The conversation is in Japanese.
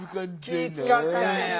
気ぃ遣ったんや。